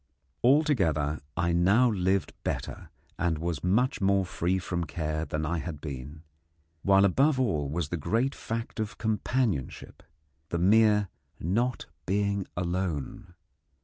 Altogether, I now lived better and was much more free from care than I had been; while above all was the great fact of companionship the mere not being alone.